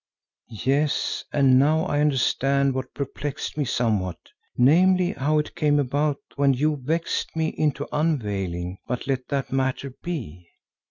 Yes, and now I understand what perplexed me somewhat, namely, how it came about that when you vexed me into unveiling—but let that matter be.